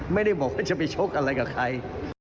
ไม่ได้บอกว่าจะไปชกอะไรกับใคร